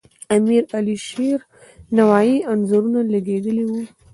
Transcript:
د امیر علیشیر نوایي انځورونه لګیدلي وو.